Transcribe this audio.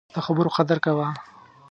د خبرو قدر کوه